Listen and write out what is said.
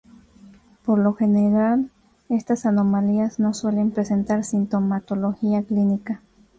Por lo general, estas anomalías no suelen presentar sintomatología clínica.